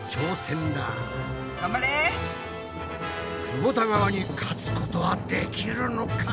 くぼた川に勝つことはできるのか？